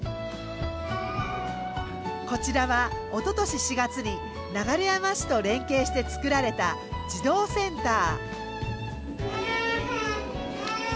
こちらはおととし４月に流山市と連携して作られた児童センター。